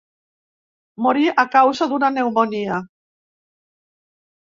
Morí a causa d'una pneumònia.